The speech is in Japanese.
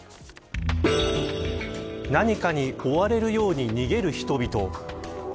何かに追われるように逃げる人々。